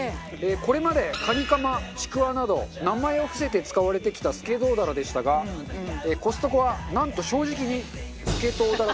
これまでカニカマちくわなど名前を伏せて使われてきたスケソウダラでしたがコストコはなんと正直にスケソウダラ